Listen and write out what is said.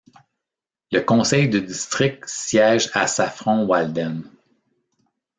Le conseil de district siège à Saffron Walden.